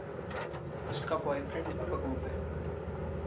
उसका बॉयफ़्रेंड बेवकूफ़ है।